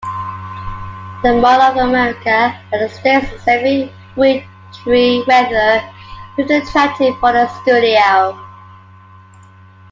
The Mall of America and the state's "semi-wintry weather" proved attractive for the studio.